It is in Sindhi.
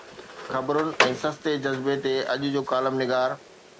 خبرن ۽ سستي جذبي تي اڄ جو ڪالم نگار